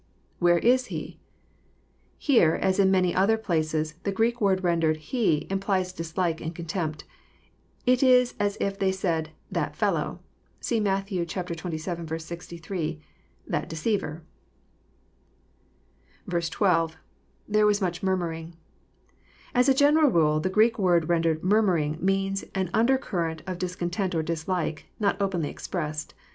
{Where is Hef] Here, as in many other places, the Greek word rendered *^ he " implies dislike and contempt. It is as if they said, *'that fellow," (See Matt, zxvii. 63,) <'that de ceiver." 12.— [77ier6 MOOS much murmuring,'] As a general rule the Greek word rendered <* murmuring " means an undercurrent of dis content or dislike, not openly expressed.